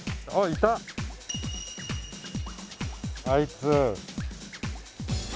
あいつ。